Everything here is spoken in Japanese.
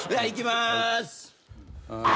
いきます。